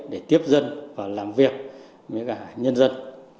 để tiếp dân và làm việc với cả nhân dân